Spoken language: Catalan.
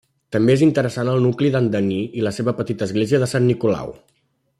També és interessant el nucli d'Andaní i la seva petita església de Sant Nicolau.